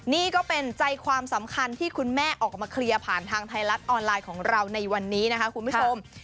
นี่ก็เป็นใจความสำคัญที่คุณแม่ออกมาเคลียร์ผ่านทางไทยรัฐออนไลน์ของเราในวันนี้นะคะคุณผู้ชม